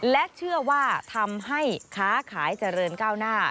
และเชื่อว่าทำให้ค้าขายเจริญก้าวหน้า